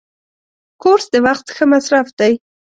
کورس د وخت ښه مصرف دی.